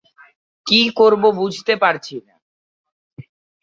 কী করব বুঝতে পারছি না।